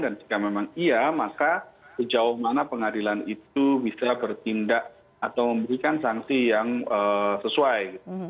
dan jika memang iya maka sejauh mana pengadilan itu bisa bertindak atau memberikan sanksi yang sesuai